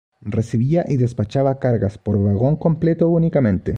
Recibía y despachaba cargas por vagón completo únicamente.